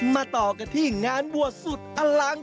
มาต่อกันที่งานบวชสุดอลัง